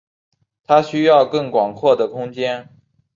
他需要更广阔的空间。